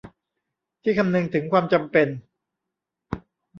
ที่คำนึงถึงความจำเป็น